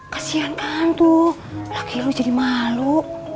kasian kan tuh laki lu jadi malu